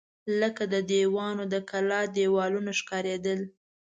لکه د دیوانو د کلا دېوالونه ښکارېدل.